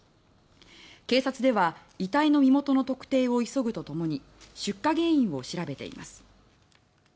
警察では遺体の身元の特定を急ぐとともに出火原因を調べています。